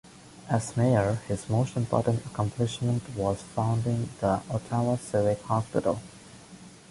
As mayor his most important accomplishment was founding the Ottawa Civic hospital.